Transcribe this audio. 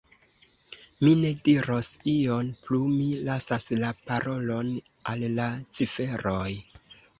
Mi ne diros ion plu; mi lasas la parolon al la ciferoj.